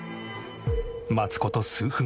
待つ事数分。